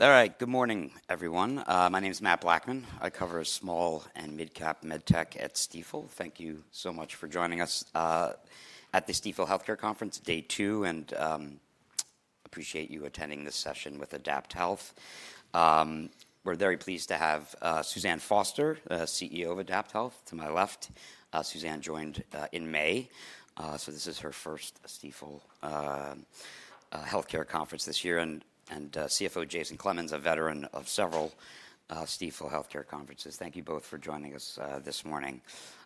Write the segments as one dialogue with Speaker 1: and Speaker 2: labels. Speaker 1: All right, good morning, everyone. My name is Matt Blackman. I cover small and mid-cap medtech at Stifel. Thank you so much for joining us at the Stifel Healthcare Conference, day two, and appreciate you attending this session with AdaptHealth. We're very pleased to have Suzanne Foster, CEO of AdaptHealth, to my left. Suzanne joined in May, so this is her first Stifel Healthcare Conference this year, and CFO Jason Clemens, a veteran of several Stifel Healthcare Conferences. Thank you both for joining us this morning.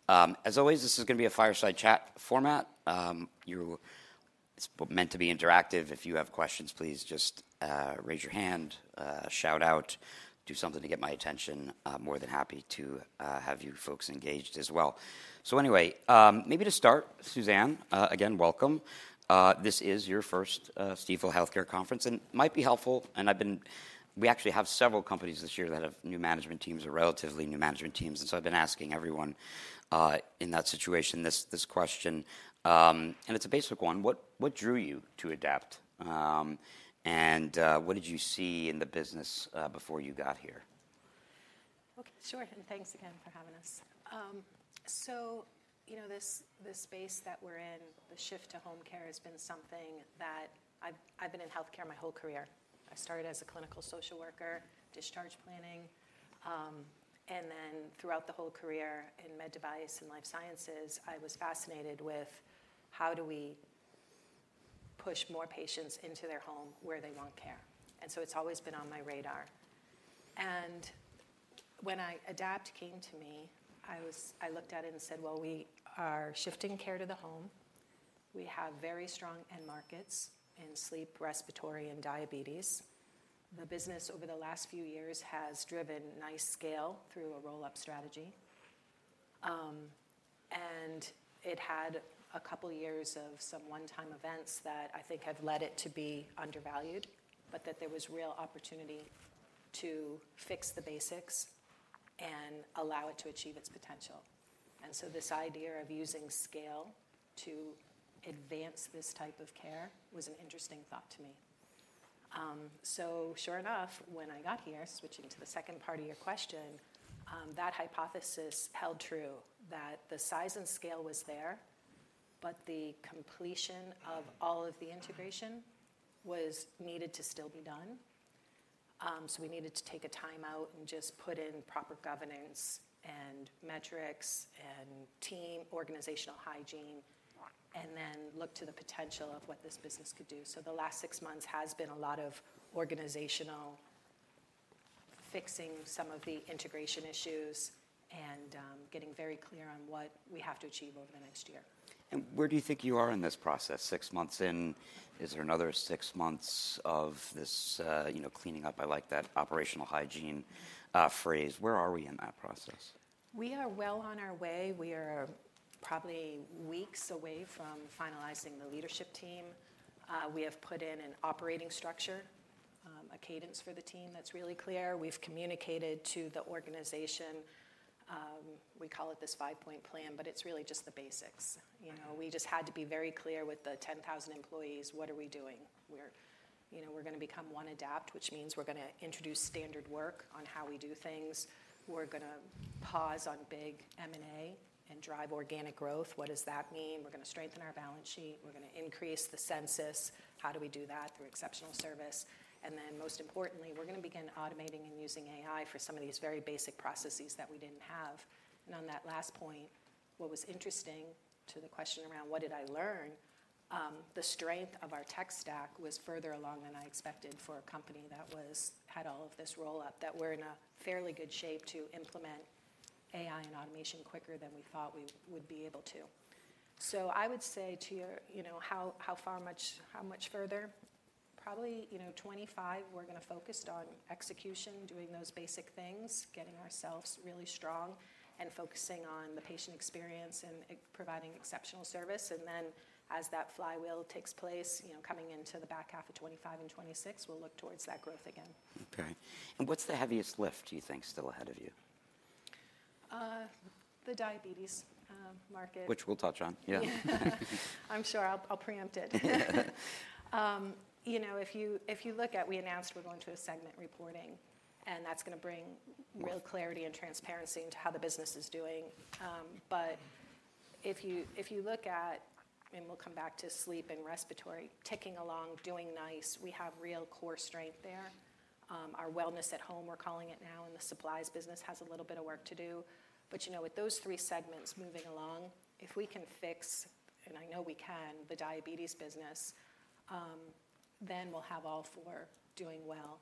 Speaker 1: As always, this is going to be a fireside chat format. It's meant to be interactive. If you have questions, please just raise your hand, shout out, do something to get my attention. I'm more than happy to have you folks engaged as well. So anyway, maybe to start, Suzanne, again, welcome. This is your first Stifel Healthcare Conference, and it might be helpful, and we actually have several companies this year that have new management teams, or relatively new management teams, and so I've been asking everyone in that situation this question, and it's a basic one. What drew you to Adapt, and what did you see in the business before you got here?
Speaker 2: Okay, sure. And thanks again for having us. So this space that we're in, the shift to home care, has been something that I've been in healthcare my whole career. I started as a clinical social worker, discharge planning, and then throughout the whole career in med device and life sciences, I was fascinated with how do we push more patients into their home where they want care. And so it's always been on my radar. And when Adapt came to me, I looked at it and said, well, we are shifting care to the home. We have very strong end markets in sleep, respiratory, and diabetes. The business, over the last few years, has driven nice scale through a roll-up strategy. And it had a couple of years of some one-time events that I think have led it to be undervalued, but that there was real opportunity to fix the basics and allow it to achieve its potential. And so this idea of using scale to advance this type of care was an interesting thought to me. So sure enough, when I got here, switching to the second part of your question, that hypothesis held true that the size and scale was there, but the completion of all of the integration was needed to still be done. So we needed to take a time out and just put in proper governance and metrics and team organizational hygiene, and then look to the potential of what this business could do. So the last six months has been a lot of organizational fixing, some of the integration issues, and getting very clear on what we have to achieve over the next year.
Speaker 1: Where do you think you are in this process? Six months in, is there another six months of this cleaning up? I like that operational hygiene phrase. Where are we in that process?
Speaker 2: We are well on our way. We are probably weeks away from finalizing the leadership team. We have put in an operating structure, a cadence for the team that's really clear. We've communicated to the organization. We call it this five-point plan, but it's really just the basics. We just had to be very clear with the 10,000 employees, what are we doing? We're going to become One Adapt, which means we're going to introduce standard work on how we do things. We're going to pause on big M&A and drive organic growth. What does that mean? We're going to strengthen our balance sheet. We're going to increase the census. How do we do that? Through exceptional service. And then most importantly, we're going to begin automating and using AI for some of these very basic processes that we didn't have. On that last point, what was interesting to the question around what did I learn, the strength of our tech stack was further along than I expected for a company that had all of this roll-up, that we're in a fairly good shape to implement AI and automation quicker than we thought we would be able to. So I would say to you, how much further? Probably 2025. We're going to focus on execution, doing those basic things, getting ourselves really strong, and focusing on the patient experience and providing exceptional service. Then as that flywheel takes place, coming into the back half of 2025 and 2026, we'll look towards that growth again.
Speaker 1: Okay. And what's the heaviest lift, do you think, still ahead of you?
Speaker 2: The diabetes market.
Speaker 1: Which we'll touch on. Yeah.
Speaker 2: I'm sure. I'll preempt it. If you look at, we announced we're going to a segment reporting, and that's going to bring real clarity and transparency into how the business is doing. But if you look at, and we'll come back to sleep and respiratory, ticking along, doing nice, we have real core strength there. Our Wellness at Home, we're calling it now, and the supplies business has a little bit of work to do. But with those three segments moving along, if we can fix, and I know we can, the diabetes business, then we'll have all four doing well.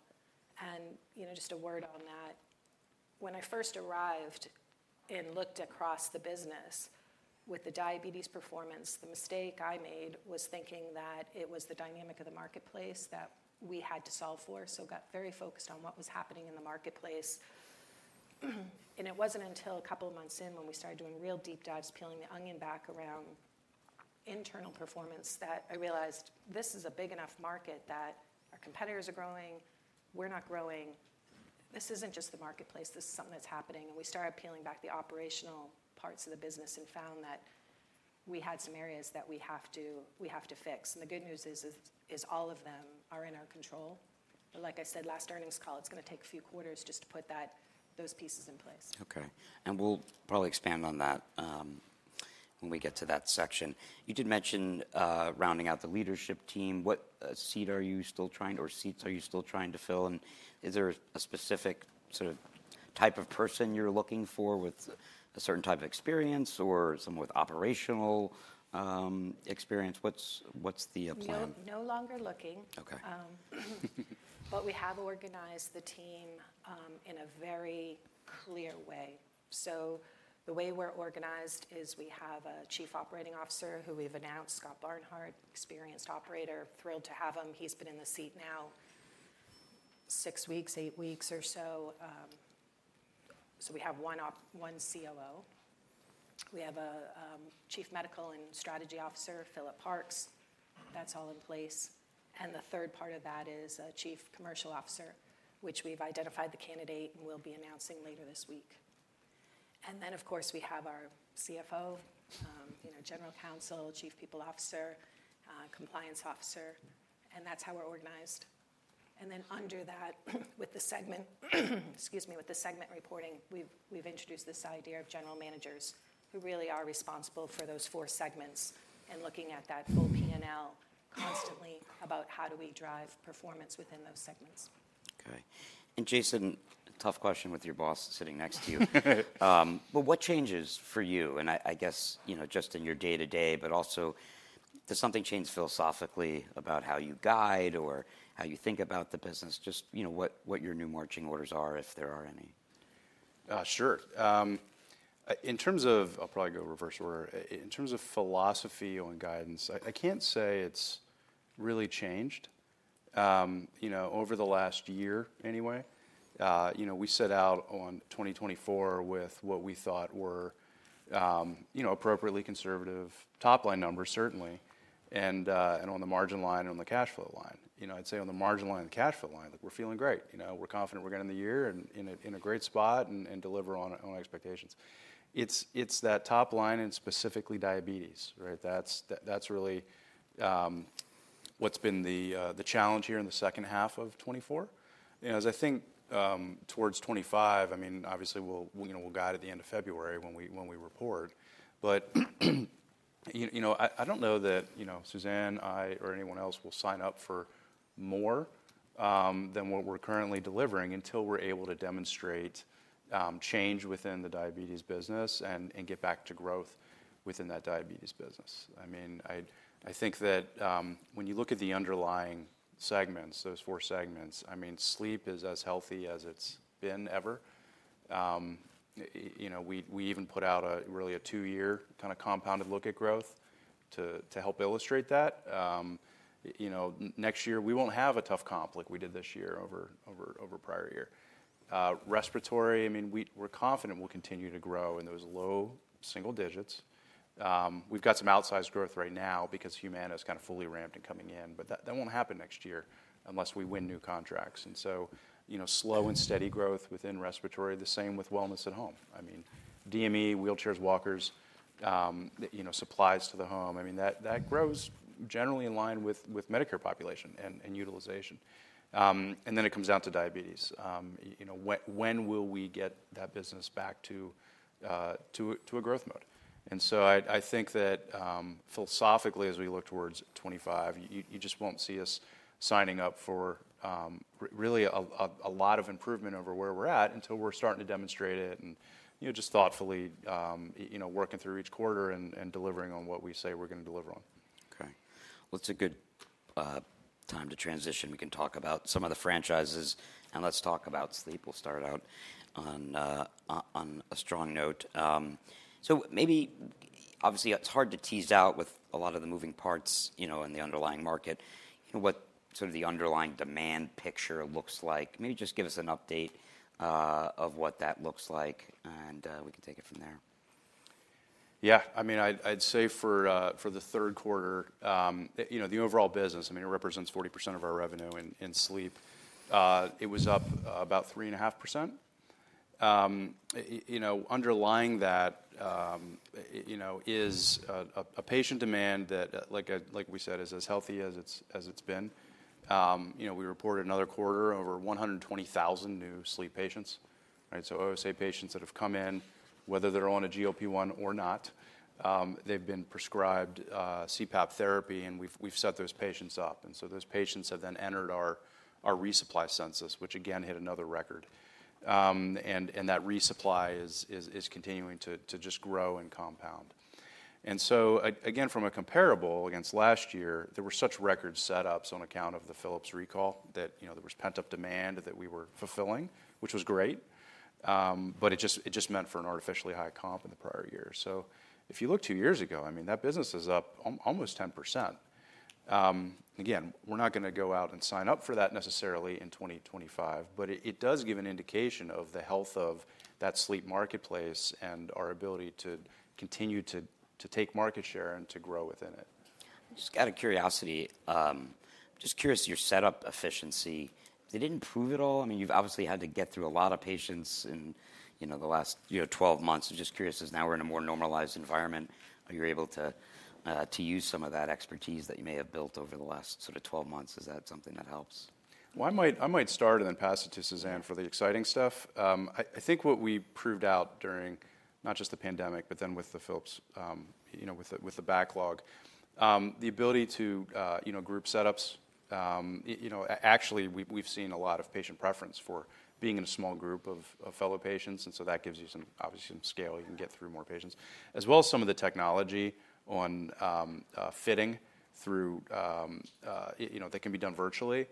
Speaker 2: And just a word on that. When I first arrived and looked across the business with the diabetes performance, the mistake I made was thinking that it was the dynamic of the marketplace that we had to solve for. So I got very focused on what was happening in the marketplace. And it wasn't until a couple of months in when we started doing real deep dives, peeling the onion back around internal performance, that I realized this is a big enough market that our competitors are growing. We're not growing. This isn't just the marketplace. This is something that's happening. And we started peeling back the operational parts of the business and found that we had some areas that we have to fix. And the good news is all of them are in our control. But like I said, last earnings call, it's going to take a few quarters just to put those pieces in place.
Speaker 1: Okay. And we'll probably expand on that when we get to that section. You did mention rounding out the leadership team. What seat are you still trying, or seats are you still trying to fill? And is there a specific sort of type of person you're looking for with a certain type of experience or someone with operational experience? What's the plan?
Speaker 2: We are no longer looking. But we have organized the team in a very clear way. So the way we're organized is we have a Chief Operating Officer who we've announced, Scott Barnhart, experienced operator, thrilled to have him. He's been in the seat now six weeks, eight weeks or so. So we have one COO. We have a Chief Medical and Strategy Officer, Philip Parks. That's all in place. And the third part of that is a Chief Commercial Officer, which we've identified the candidate and will be announcing later this week. And then, of course, we have our CFO, general counsel, Chief People Officer, compliance officer. And that's how we're organized. And then under that, with the segment, excuse me, with the segment reporting, we've introduced this idea of general managers who really are responsible for those four segments and looking at that full P&L constantly about how do we drive performance within those segments.
Speaker 1: Okay. And Jason, tough question with your boss sitting next to you. But what changes for you? And I guess just in your day-to-day, but also does something change philosophically about how you guide or how you think about the business? Just what your new marching orders are, if there are any?
Speaker 3: Sure. In terms of, I'll probably go reverse order, in terms of philosophy on guidance, I can't say it's really changed over the last year anyway. We set out on 2024 with what we thought were appropriately conservative top-line numbers, certainly, and on the margin line and on the cash flow line. I'd say on the margin line and cash flow line, we're feeling great. We're confident we're getting the year in a great spot and deliver on expectations. It's that top line and specifically diabetes, right? That's really what's been the challenge here in the second half of 2024. As I think towards 2025, I mean, obviously, we'll guide at the end of February when we report. But I don't know that Suzanne, I, or anyone else will sign up for more than what we're currently delivering until we're able to demonstrate change within the diabetes business and get back to growth within that diabetes business. I mean, I think that when you look at the underlying segments, those four segments, I mean, sleep is as healthy as it's been ever. We even put out really a two-year kind of compounded look at growth to help illustrate that. Next year, we won't have a tough comp we did this year over prior year. Respiratory, I mean, we're confident we'll continue to grow in those low single digits. We've got some outsized growth right now because Humana is kind of fully ramped and coming in, but that won't happen next year unless we win new contracts. And so slow and steady growth within respiratory, the same with Wellness at Home. I mean, DME, wheelchairs, walkers, supplies to the home, I mean, that grows generally in line with Medicare population and utilization. And then it comes down to diabetes. When will we get that business back to a growth mode? And so I think that philosophically, as we look towards 2025, you just won't see us signing up for really a lot of improvement over where we're at until we're starting to demonstrate it and just thoughtfully working through each quarter and delivering on what we say we're going to deliver on.
Speaker 1: Okay. Well, it's a good time to transition. We can talk about some of the franchises, and let's talk about sleep. We'll start out on a strong note. So maybe, obviously, it's hard to tease out with a lot of the moving parts in the underlying market what sort of the underlying demand picture looks like. Maybe just give us an update of what that looks like, and we can take it from there.
Speaker 3: Yeah. I mean, I'd say for the third quarter, the overall business, I mean, it represents 40% of our revenue in sleep. It was up about 3.5%. Underlying that is a patient demand that, like we said, is as healthy as it's been. We reported another quarter over 120,000 new sleep patients. So GLP-1 that have come in, whether they're on a GLP-1 or not, they've been prescribed CPAP therapy, and we've set those patients up. And so those patients have then entered our resupply census, which again hit another record. And that resupply is continuing to just grow and compound. And so again, from a comparable against last year, there were such record setups on account of the Philips recall that there was pent-up demand that we were fulfilling, which was great, but it just meant for an artificially high comp in the prior year. So if you look two years ago, I mean, that business is up almost 10%. Again, we're not going to go out and sign up for that necessarily in 2025, but it does give an indication of the health of that sleep marketplace and our ability to continue to take market share and to grow within it.
Speaker 1: Just out of curiosity, just curious your setup efficiency. They didn't prove it all. I mean, you've obviously had to get through a lot of patients in the last 12 months. I'm just curious as now we're in a more normalized environment, are you able to use some of that expertise that you may have built over the last sort of 12 months? Is that something that helps?
Speaker 3: I might start and then pass it to Suzanne for the exciting stuff. I think what we proved out during not just the pandemic, but then with the Philips, with the backlog, the ability to group setups. Actually, we've seen a lot of patient preference for being in a small group of fellow patients. And so that gives you obviously some scale. You can get through more patients, as well as some of the technology on fitting through that can be done virtually.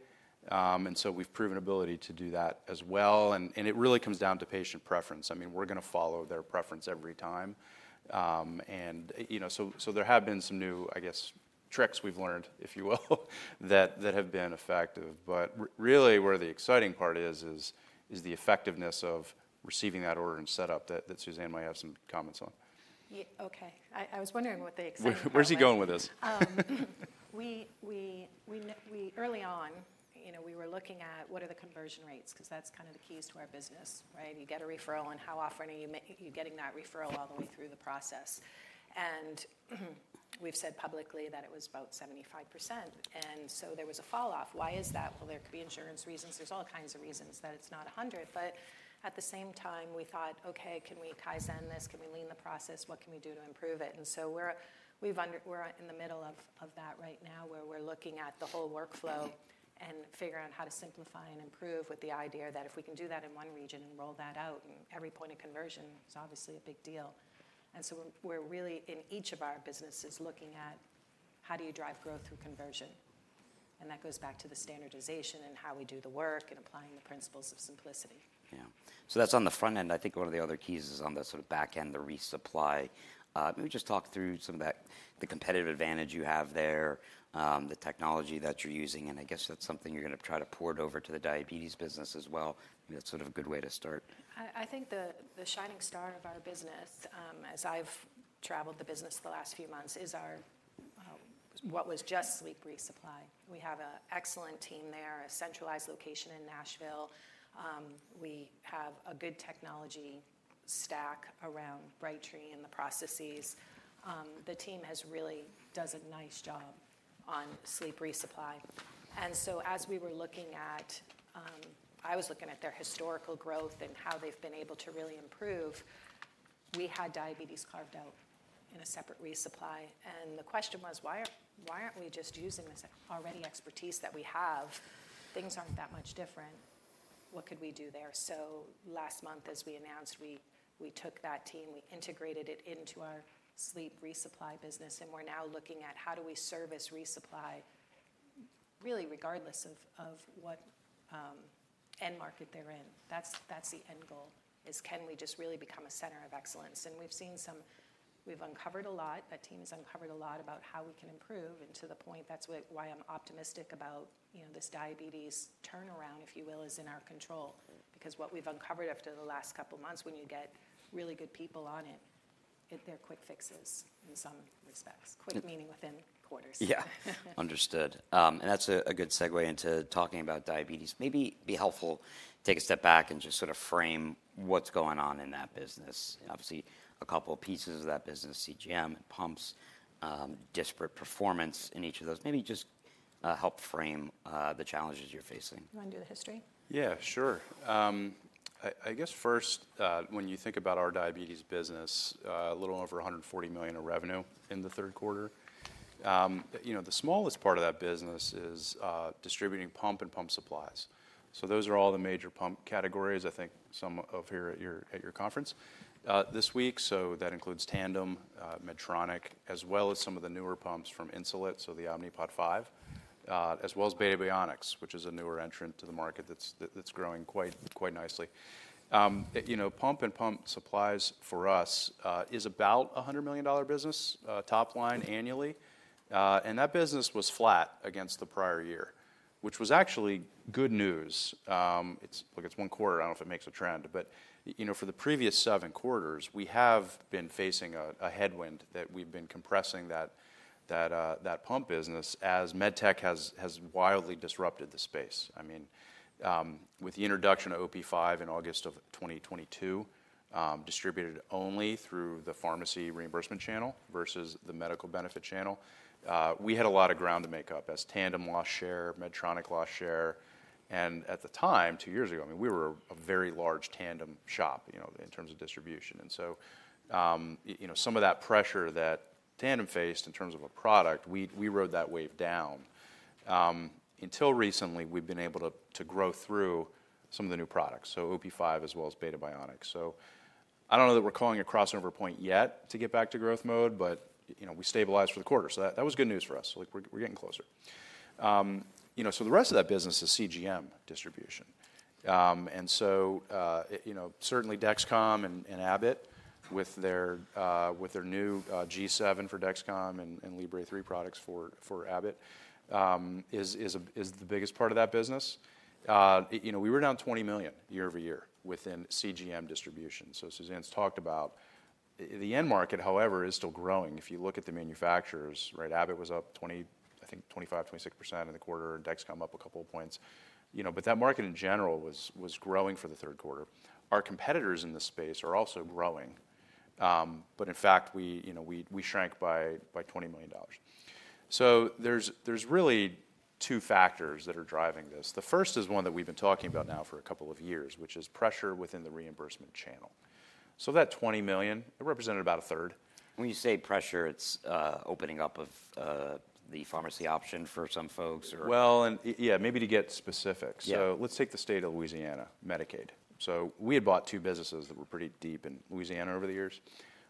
Speaker 3: And so we've proven ability to do that as well. And it really comes down to patient preference. I mean, we're going to follow their preference every time. And so there have been some new, I guess, tricks we've learned, if you will, that have been effective. But really, where the exciting part is, is the effectiveness of receiving that order and setup that Suzanne might have some comments on.
Speaker 2: Okay. I was wondering what the excitement was.
Speaker 3: Where's he going with this?
Speaker 2: Early on, we were looking at what are the conversion rates because that's kind of the keys to our business, right? You get a referral, and how often are you getting that referral all the way through the process? And we've said publicly that it was about 75%. And so there was a falloff. Why is that? Well, there could be insurance reasons. There's all kinds of reasons that it's not 100. But at the same time, we thought, okay, can we Kaizen this? Can we lean the process? What can we do to improve it? And so we're in the middle of that right now where we're looking at the whole workflow and figuring out how to simplify and improve with the idea that if we can do that in one region and roll that out, every point of conversion is obviously a big deal. And so we're really in each of our businesses looking at how do you drive growth through conversion? And that goes back to the standardization and how we do the work and applying the principles of simplicity.
Speaker 1: Yeah. So that's on the front end. I think one of the other keys is on the sort of back end, the resupply. Maybe just talk through some of the competitive advantage you have there, the technology that you're using. And I guess that's something you're going to try to port over to the diabetes business as well. That's sort of a good way to start.
Speaker 2: I think the shining star of our business, as I've traveled the business the last few months, is what was just sleep resupply. We have an excellent team there, a centralized location in Nashville. We have a good technology stack around Brightree and the processes. The team really does a nice job on sleep resupply. And so as we were looking at, I was looking at their historical growth and how they've been able to really improve, we had diabetes carved out in a separate resupply. And the question was, why aren't we just using this already expertise that we have? Things aren't that much different. What could we do there? So last month, as we announced, we took that team. We integrated it into our sleep resupply business. And we're now looking at how do we service resupply really regardless of what end market they're in. That's the end goal: is can we just really become a center of excellence? And we've seen some. We've uncovered a lot. That team has uncovered a lot about how we can improve, and to the point that's why I'm optimistic about this diabetes turnaround, if you will, is in our control because what we've uncovered after the last couple of months when you get really good people on it. They're quick fixes in some respects, quick meaning within quarters.
Speaker 1: Yeah. Understood, and that's a good segue into talking about diabetes. Maybe it'd be helpful to take a step back and just sort of frame what's going on in that business. Obviously, a couple of pieces of that business, CGM and pumps, disparate performance in each of those. Maybe just help frame the challenges you're facing?
Speaker 2: Do you want to do the history?
Speaker 3: Yeah, sure. I guess first, when you think about our diabetes business, a little over $140 million of revenue in the third quarter. The smallest part of that business is distributing pump and pump supplies. So those are all the major pump categories, I think some of you here at your conference this week. So that includes Tandem, Medtronic, as well as some of the newer pumps from Insulet, so the Omnipod 5, as well as Beta Bionics, which is a newer entrant to the market that's growing quite nicely. Pump and pump supplies for us is about a $100 million business top line annually. And that business was flat against the prior year, which was actually good news. Look, it's one quarter. I don't know if it makes a trend. But for the previous seven quarters, we have been facing a headwind that we've been compressing that pump business as medtech has wildly disrupted the space. I mean, with the introduction of OP5 in August of 2022, distributed only through the pharmacy reimbursement channel versus the medical benefit channel, we had a lot of ground to make up as Tandem lost share, Medtronic lost share. And at the time, two years ago, I mean, we were a very large Tandem shop in terms of distribution. And so some of that pressure that Tandem faced in terms of a product, we rode that wave down. Until recently, we've been able to grow through some of the new products, so OP5 as well as Beta Bionics. So I don't know that we're calling a crossover point yet to get back to growth mode, but we stabilized for the quarter. So that was good news for us. We're getting closer. So the rest of that business is CGM distribution. And so certainly Dexcom and Abbott with their new G7 for Dexcom and Libre 3 products for Abbott is the biggest part of that business. We were down $20 million year over year within CGM distribution. So Suzanne's talked about the end market, however, is still growing. If you look at the manufacturers, Abbott was up, I think, 25%-26% in the quarter, and Dexcom up a couple of points. But that market in general was growing for the third quarter. Our competitors in the space are also growing. But in fact, we shrank by $20 million. So there's really two factors that are driving this. The first is one that we've been talking about now for a couple of years, which is pressure within the reimbursement channel. So that $20 million, it represented about a third.
Speaker 1: When you say pressure, it's opening up of the pharmacy option for some folks or?
Speaker 3: Well, and yeah, maybe to get specific. So let's take the state of Louisiana, Medicaid. So we had bought two businesses that were pretty deep in Louisiana over the years.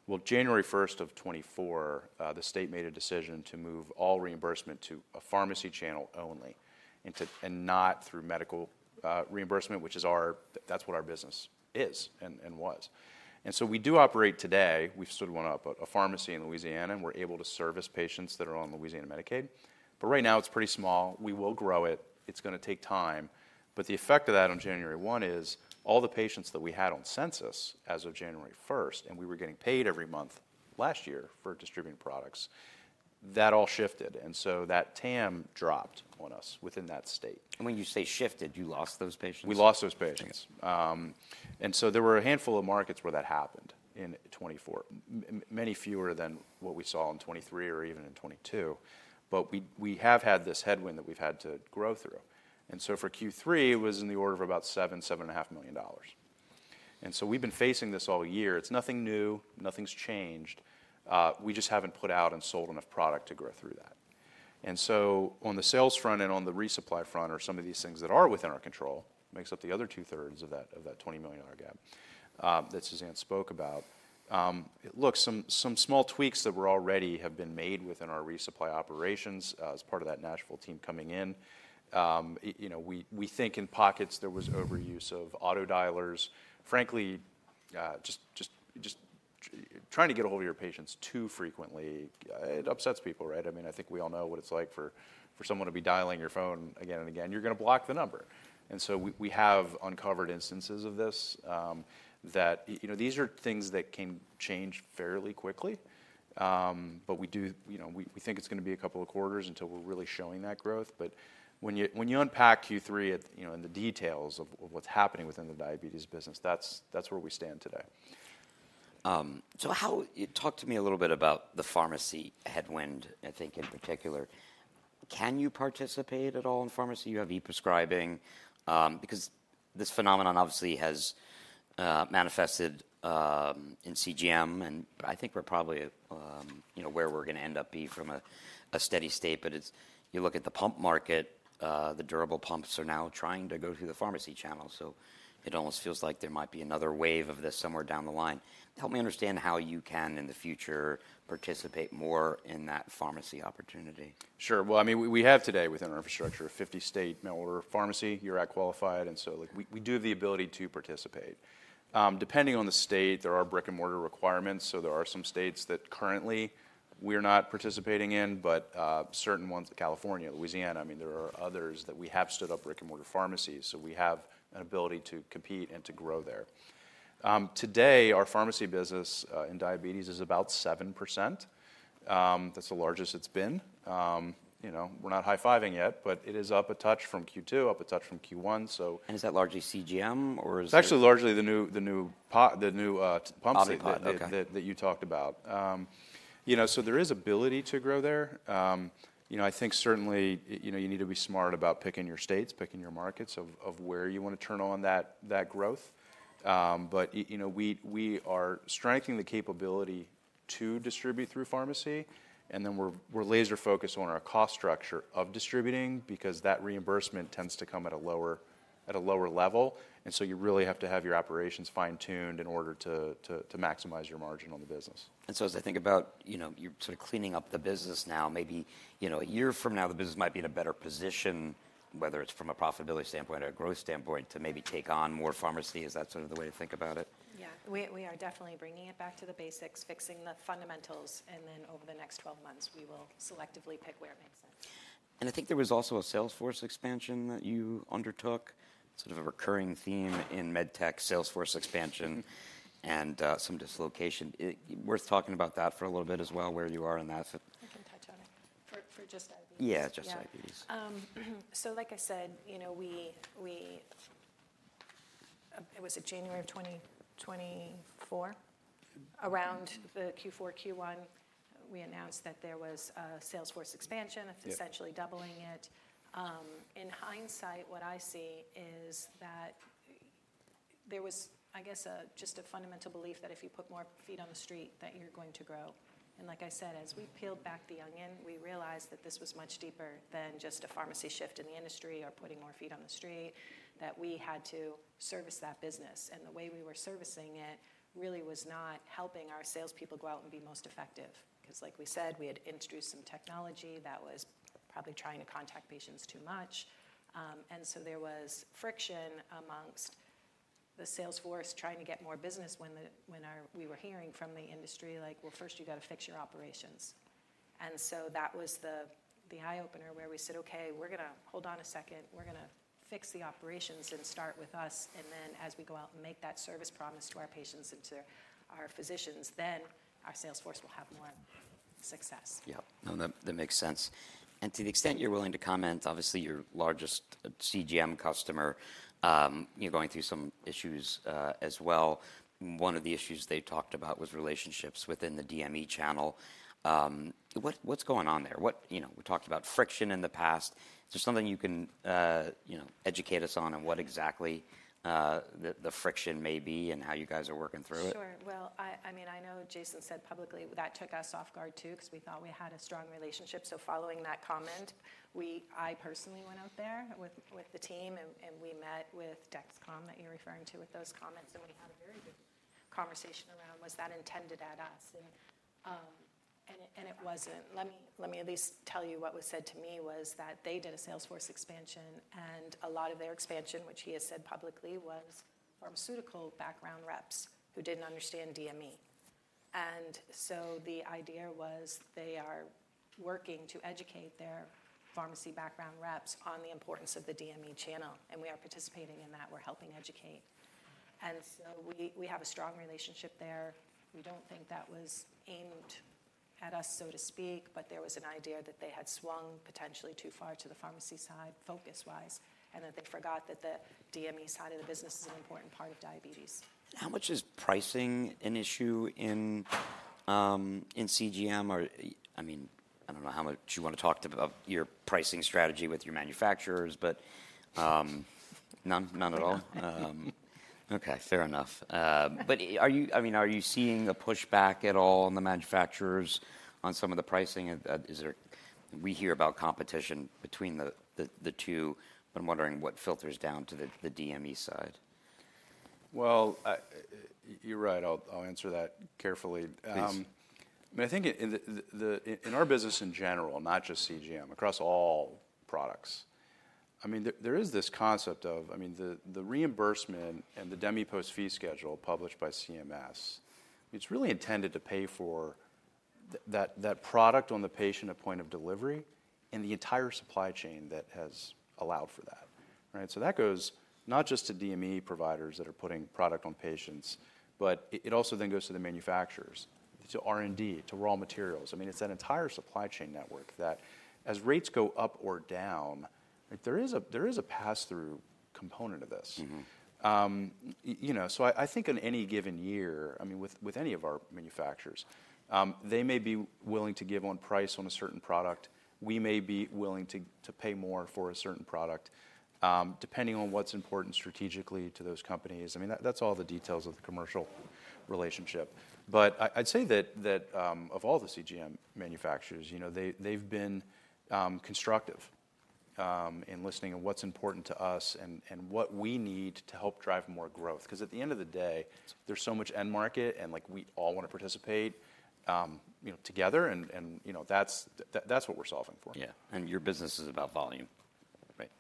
Speaker 3: Well, January 1st of 2024, the state made a decision to move all reimbursement to a pharmacy channel only and not through medical reimbursement, which is our, that's what our business is and was. And so we do operate today. We've sort of set up a pharmacy in Louisiana, and we're able to service patients that are on Louisiana Medicaid. But right now, it's pretty small. We will grow it. It's going to take time. But the effect of that on January 1 is all the patients that we had on census as of January 1st, and we were getting paid every month last year for distributing products, that all shifted. That TAM dropped on us within that state.
Speaker 1: When you say shifted, you lost those patients?
Speaker 3: We lost those patients, and so there were a handful of markets where that happened in 2024, many fewer than what we saw in 2023 or even in 2022. But we have had this headwind that we've had to grow through, and so for Q3, it was in the order of about $7 million-$7.5 million. And so we've been facing this all year. It's nothing new. Nothing's changed. We just haven't put out and sold enough product to grow through that, and so on the sales front and on the resupply front, or some of these things that are within our control, makes up the other two-thirds of that $20 million gap that Suzanne spoke about. Look, some small tweaks that were already have been made within our resupply operations as part of that Nashville team coming in. We think in pockets there was overuse of auto dialers. Frankly, just trying to get ahold of your patients too frequently, it upsets people, right? I mean, I think we all know what it's like for someone to be dialing your phone again and again. You're going to block the number. And so we have uncovered instances of this that these are things that can change fairly quickly. But we think it's going to be a couple of quarters until we're really showing that growth. But when you unpack Q3 and the details of what's happening within the diabetes business, that's where we stand today.
Speaker 1: So talk to me a little bit about the pharmacy headwind, I think in particular. Can you participate at all in pharmacy? You have e-prescribing because this phenomenon obviously has manifested in CGM, and I think we're probably where we're going to end up being from a steady state, but you look at the pump market, the durable pumps are now trying to go through the pharmacy channel, so it almost feels like there might be another wave of this somewhere down the line. Help me understand how you can in the future participate more in that pharmacy opportunity.
Speaker 3: Sure, well, I mean, we have today within our infrastructure a 50-state mail-order pharmacy. URAC qualified. And so we do have the ability to participate. Depending on the state, there are brick-and-mortar requirements. So there are some states that currently we are not participating in, but certain ones, California, Louisiana, I mean, there are others that we have stood up brick-and-mortar pharmacies. So we have an ability to compete and to grow there. Today, our pharmacy business in diabetes is about 7%. That's the largest it's been. We're not high-fiving yet, but it is up a touch from Q2, up a touch from Q1. So.
Speaker 1: Is that largely CGM or is it?
Speaker 3: It's actually largely the new pumps that you talked about. So there is ability to grow there. I think certainly you need to be smart about picking your states, picking your markets of where you want to turn on that growth. But we are strengthening the capability to distribute through pharmacy. And then we're laser-focused on our cost structure of distributing because that reimbursement tends to come at a lower level. And so you really have to have your operations fine-tuned in order to maximize your margin on the business.
Speaker 1: And so as I think about your sort of cleaning up the business now, maybe a year from now, the business might be in a better position, whether it's from a profitability standpoint or a growth standpoint, to maybe take on more pharmacy. Is that sort of the way to think about it?
Speaker 2: Yeah. We are definitely bringing it back to the basics, fixing the fundamentals, and then over the next 12 months, we will selectively pick where it makes sense.
Speaker 1: And I think there was also a sales force expansion that you undertook, sort of a recurring theme in medtech sales force expansion and some dislocation. Worth talking about that for a little bit as well, where you are in that.
Speaker 2: I can touch on it. For just diabetes.
Speaker 1: Yeah, just diabetes.
Speaker 2: So like I said, it was in January of 2024, around the Q4, Q1, we announced that there was a sales force expansion, essentially doubling it. In hindsight, what I see is that there was, I guess, just a fundamental belief that if you put more feet on the street, that you're going to grow. And like I said, as we peeled back the onion, we realized that this was much deeper than just a pharmacy shift in the industry or putting more feet on the street, that we had to service that business. And the way we were servicing it really was not helping our salespeople go out and be most effective because, like we said, we had introduced some technology that was probably trying to contact patients too much. And so there was friction amongst the sales force trying to get more business when we were hearing from the industry like, "Well, first you got to fix your operations." And so that was the eye-opener where we said, "Okay, we're going to hold on a second. We're going to fix the operations and start with us. And then as we go out and make that service promise to our patients and to our physicians, then our sales force will have more success.
Speaker 1: Yep. No, that makes sense. And to the extent you're willing to comment, obviously your largest CGM customer, you're going through some issues as well. One of the issues they talked about was relationships within the DME channel. What's going on there? We talked about friction in the past. Is there something you can educate us on on what exactly the friction may be and how you guys are working through it?
Speaker 2: Sure. Well, I mean, I know Jason said publicly that took us off guard too because we thought we had a strong relationship. So following that comment, I personally went out there with the team and we met with Dexcom that you're referring to with those comments. And we had a very good conversation around was that intended at us. And it wasn't. Let me at least tell you what was said to me was that they did a sales force expansion. And a lot of their expansion, which he has said publicly, was pharmaceutical background reps who didn't understand DME. And so the idea was they are working to educate their pharmacy background reps on the importance of the DME channel. And we are participating in that. We're helping educate. And so we have a strong relationship there. We don't think that was aimed at us, so to speak, but there was an idea that they had swung potentially too far to the pharmacy side focus-wise and that they forgot that the DME side of the business is an important part of diabetes.
Speaker 1: How much is pricing an issue in CGM? I mean, I don't know how much you want to talk about your pricing strategy with your manufacturers, but none at all. Okay, fair enough. But I mean, are you seeing a pushback at all on the manufacturers on some of the pricing? We hear about competition between the two, but I'm wondering what filters down to the DME side.
Speaker 3: You're right. I'll answer that carefully. I think in our business in general, not just CGM, across all products, I mean, there is this concept of, I mean, the reimbursement and the DMEPOS fee schedule published by CMS. It's really intended to pay for that product on the patient at point of delivery and the entire supply chain that has allowed for that. So that goes not just to DME providers that are putting product on patients, but it also then goes to the manufacturers, to R&D, to raw materials. I mean, it's that entire supply chain network that as rates go up or down, there is a pass-through component of this. So I think in any given year, I mean, with any of our manufacturers, they may be willing to give on price on a certain product. We may be willing to pay more for a certain product depending on what's important strategically to those companies. I mean, that's all the details of the commercial relationship. But I'd say that of all the CGM manufacturers, they've been constructive in listening to what's important to us and what we need to help drive more growth. Because at the end of the day, there's so much end market and we all want to participate together. And that's what we're solving for.
Speaker 1: Yeah. And your business is about volume.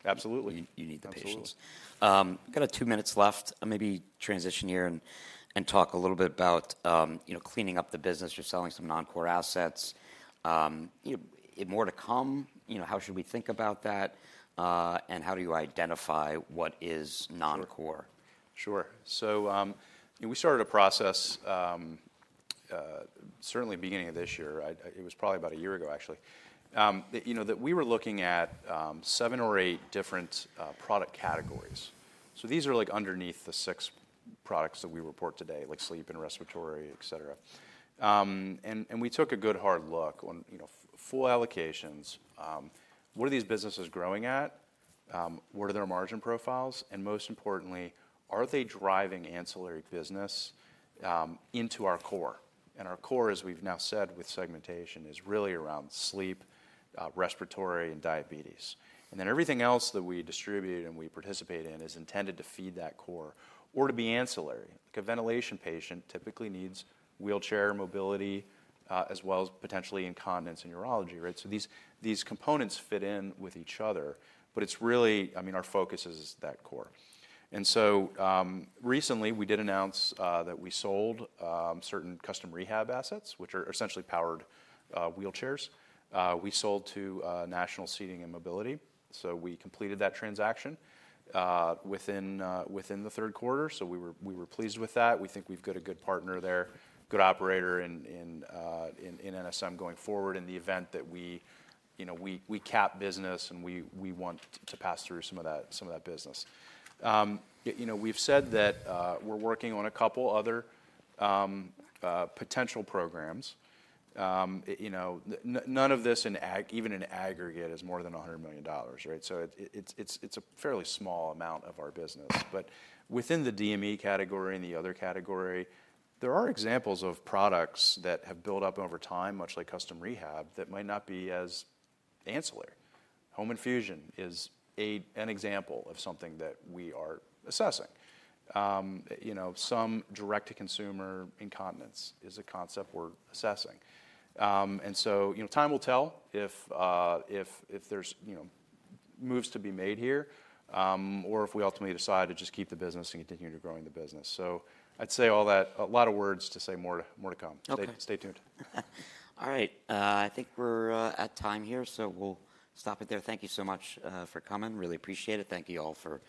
Speaker 3: Absolutely.
Speaker 1: You need the patients. Got two minutes left. Maybe transition here and talk a little bit about cleaning up the business. You're selling some non-core assets. More to come. How should we think about that? And how do you identify what is non-core?
Speaker 3: Sure, so we started a process certainly beginning of this year. It was probably about a year ago, actually, that we were looking at seven or eight different product categories, so these are underneath the six products that we report today, like sleep and respiratory, etc., and we took a good hard look on full allocations. What are these businesses growing at? What are their margin profiles, and most importantly, are they driving ancillary business into our core, and our core, as we've now said with segmentation, is really around sleep, respiratory, and diabetes, and then everything else that we distribute and we participate in is intended to feed that core or to be ancillary. A ventilation patient typically needs wheelchair mobility as well as potentially incontinence and urology, right, so these components fit in with each other, but it's really, I mean, our focus is that core. Recently, we did announce that we sold certain custom rehab assets, which are essentially powered wheelchairs. We sold to National Seating & Mobility. We completed that transaction within the third quarter. We were pleased with that. We think we've got a good partner there, good operator in NSM going forward in the event that we cap business and we want to pass through some of that business. We've said that we're working on a couple of other potential programs. None of this in even an aggregate is more than $100 million, right? It's a fairly small amount of our business. Within the DME category and the other category, there are examples of products that have built up over time, much like custom rehab, that might not be as ancillary. Home infusion is an example of something that we are assessing. Some direct-to-consumer incontinence is a concept we're assessing. And so time will tell if there's moves to be made here or if we ultimately decide to just keep the business and continue to grow in the business. So I'd say a lot of words to say more to come. Stay tuned.
Speaker 1: All right. I think we're at time here, so we'll stop it there. Thank you so much for coming. Really appreciate it. Thank you all for.